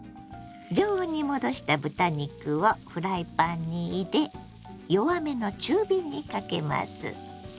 常温に戻した豚肉をフライパンに入れ弱めの中火にかけます。